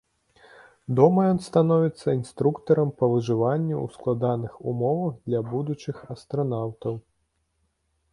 Дома ён становіцца інструктарам па выжыванні ў складаных умовах для будучых астранаўтаў.